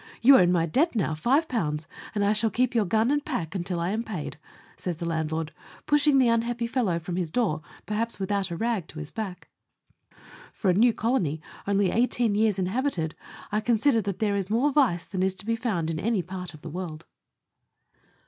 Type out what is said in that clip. " You are in my debt now 5, and I shall keep your gun and pack until I am paid," says the land lord, pushing the unhappy fellow from his door perhaps without a rag to his back. For a new colony, only eighteen years in habited, I consider that there is more vice than is to be found in any part of the world.